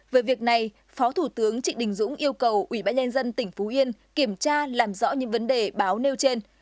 về việc này phó thủ tướng trịnh đình dũng yêu cầu ủy ban nhân dân tỉnh phú yên kiểm tra làm rõ những vấn đề báo nêu trên